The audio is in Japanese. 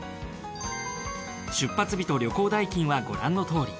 出発日と旅行代金はご覧のとおり。